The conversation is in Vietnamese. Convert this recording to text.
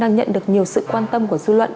nhận được nhiều sự quan tâm của dư luận